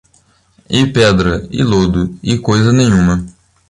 e pedra e lodo, e coisa nenhuma